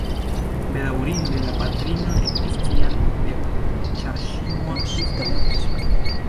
Bedaŭrinde la patrino ne ekvidis sian bebon, ĉar ŝi mortis baldaŭ post nasko.